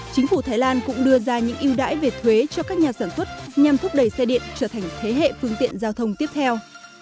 chính phủ thái lan cũng đưa ra những ưu đãi về thuế cho các nhà sản xuất nhằm thúc đẩy xe điện trở thành thế hệ phương tiện giao thông tiếp theo